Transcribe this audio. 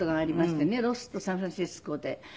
ロスとサンフランシスコで。